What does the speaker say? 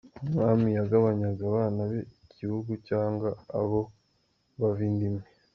Umwami yagabanyaga abana be igihugu cyangwa abo bava inda imwe.